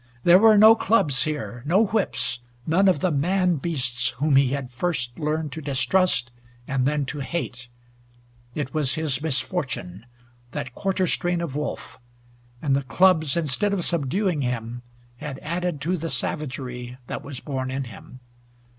There were no clubs here, no whips, none of the man beasts whom he had first learned to distrust, and then to hate. It was his misfortune that quarter strain of wolf; and the clubs, instead of subduing him, had added to the savagery that was born in him.